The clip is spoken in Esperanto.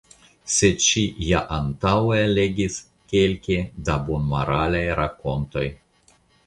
Sed ŝi ja antaŭe legis kelke da bonmoralaj rakontoj.